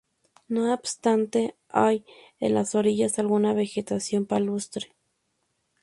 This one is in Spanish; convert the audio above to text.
No obstante, hay en las orillas alguna vegetación palustre.